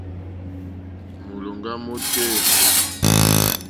Mólòŋɡá mótéyà.